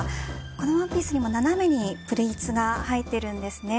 このワンピースも斜めにプリーツが入っているんです。